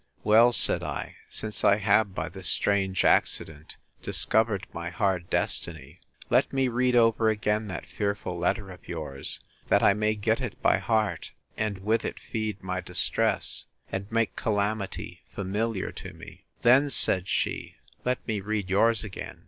Well, said I, since I have, by this strange accident, discovered my hard destiny; let me read over again that fearful letter of yours, that I may get it by heart, and with it feed my distress, and make calamity familiar to me. Then, said she, let me read yours again.